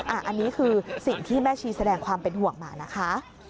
อันนี้คือสิ่งที่แม่ชีแสดงความเป็นห่วงมานะคะ